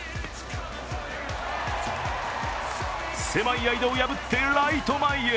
狭い間を破ってライト前へ。